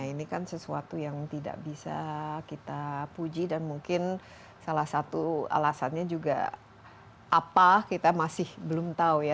ini kan sesuatu yang tidak bisa kita puji dan mungkin salah satu alasannya juga apa kita masih belum tahu ya